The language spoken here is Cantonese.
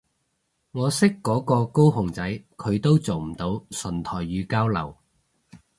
我識嗰個高雄仔佢都做唔到純台語交流